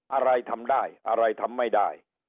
อะไรทำได้อะไรทำไม่ได้